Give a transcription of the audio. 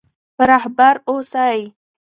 رهبر اوسئ.